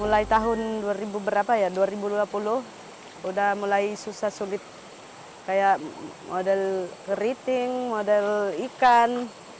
mulai tahun dua ribu berapa ya dua ribu dua puluh udah mulai susah sulit kayak model keriting model ikan